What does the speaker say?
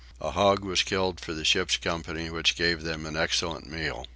A hog was killed for the ship's company which gave them an excellent meal.